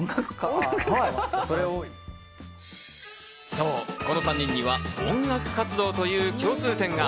そう、この３人には音楽活動という共通点が。